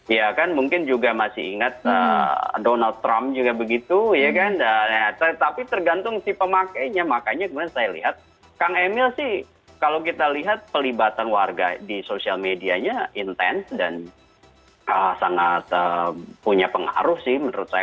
ya kan mungkin juga masih ingat donald trump juga begitu ya kan tetapi tergantung si pemakainya makanya kemudian saya lihat kang emil sih kalau kita lihat pelibatan warga di sosial medianya intens dan sangat punya pengaruh sih menurut saya